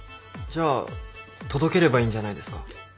じゃあ届ければいいんじゃないですか？